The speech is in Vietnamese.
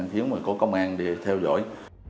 hiếu mà có công an đi theo dõi